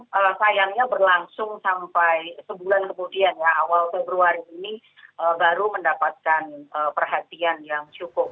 kalau sayangnya berlangsung sampai sebulan kemudian ya awal februari ini baru mendapatkan perhatian yang cukup